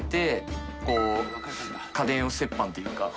家電を折半というか。